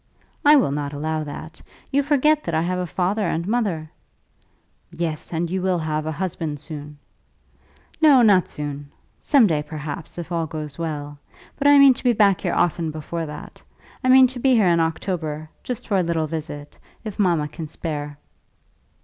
"I will not allow that. You forget that I have a father and mother." "Yes; and you will have a husband soon." "No, not soon; some day, perhaps, if all goes well. But I mean to be back here often before that. I mean to be here in October, just for a little visit, if mamma can spare me."